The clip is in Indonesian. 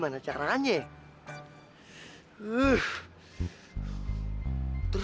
wih kayak kayak begitu